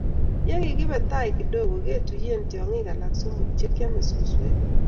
Ye kikibe tai kidogo ketuye tiong'ik alak somok che kiame suswek